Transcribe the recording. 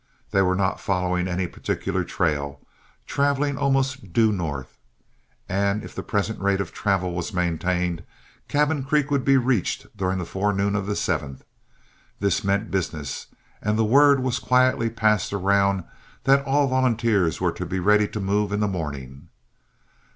They were not following any particular trail, traveling almost due north, and if the present rate of travel was maintained, Cabin Creek would be reached during the forenoon of the 7th. This meant business, and the word was quietly passed around that all volunteers were to be ready to move in the morning.